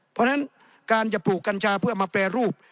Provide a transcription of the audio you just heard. เพราะฉะนั้นการจะปลูกกัญชาเพื่อมาแปรรูป